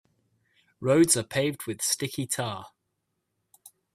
Roads are paved with sticky tar.